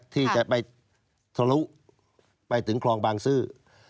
ที่จะไปทะลุไปถึงคลองบางซื่อ